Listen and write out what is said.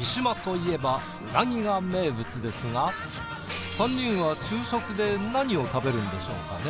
三島といえばうなぎが名物ですが３人は昼食で何を食べるんでしょうかね？